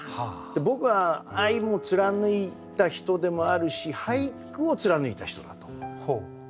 僕は愛も貫いた人でもあるし俳句を貫いた人だと思いますね。